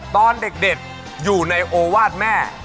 ตอนเด็กอยู่ในโอวาสแม่